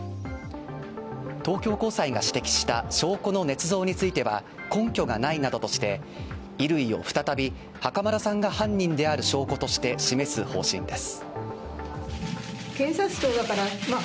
東京高裁が指摘した証拠のねつ造については根拠がないなどとして、衣類を再び袴田さんが犯人である証拠として示す方針です。